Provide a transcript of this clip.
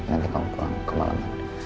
nanti kamu pulang ke malam nanti